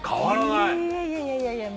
いやいやいやいや